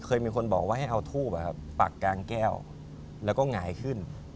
เคยมีคนบอกว่าให้เอาทูบปักกลางแก้วแล้วก็หงายขึ้น